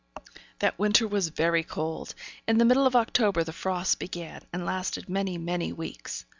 That winter was very cold. In the middle of October the frosts began, and lasted many, many weeks.